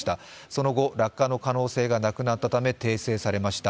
その後、落下の可能性がなくなったため、訂正されました。